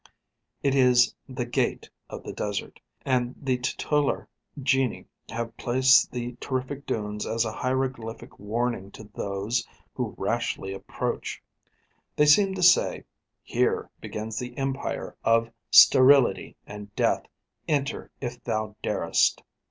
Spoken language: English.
It is the 'gate' of the desert; and the tutelar genii have placed the terrific dunes as a hieroglyphic warning to those who rashly approach. They seem to say, 'here begins the empire of Sterility and Death; enter if thou darest!'